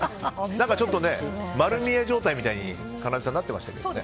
何かちょっと丸見え状態みたいにかなでさん、なってましたね。